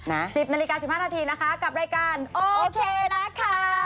๑๐นาฬิกา๑๕นาทีนะคะกับรายการโอเคนะคะ